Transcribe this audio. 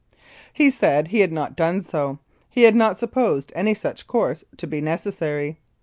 He said he had not done so, he had not supposed any such course to be necessary.